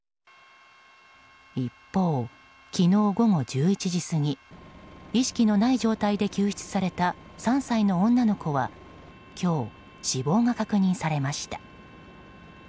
一方、昨日午後１１時過ぎ意識のない状態で救出された３歳の女の子は今日、死亡が確認されました。